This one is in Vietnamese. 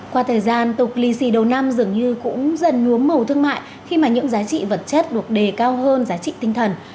qua thời gian tục lì xì đầu năm dường như cũng dần nhuốm màu thương mại khi mà những giá trị vật chất được đề cao hơn giá trị tinh thần